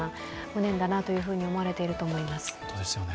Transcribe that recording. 無念だなと思われていると思います。